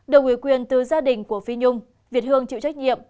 đồng ủy quyền từ gia đình của phi nhung việt hương chịu trách nhiệm